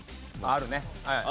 あるね。